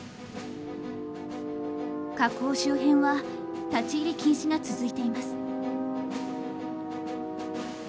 火口周辺は立ち入り禁止が続いています。